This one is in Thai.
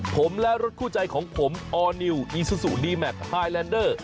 ผมและรถคู่ใจของผมออร์นิวอีซูซูดีแมคไฮแลนเดอร์